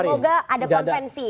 semoga ada kontensi